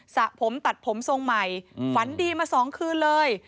สระผมตัดผมทรงใหม่ฝันดีมา๒คืนเลย